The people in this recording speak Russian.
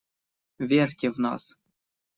Верьте в нас.